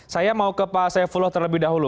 saya mau ke pak saifullah terlebih dahulu